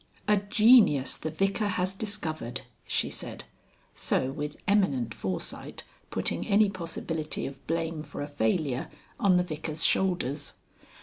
"A genius the Vicar has discovered," she said; so with eminent foresight putting any possibility of blame for a failure on the Vicar's shoulders.